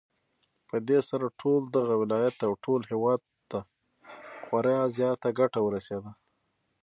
پدې سره ټول دغه ولايت او ټول هېواد ته خورا زياته گټه ورسېده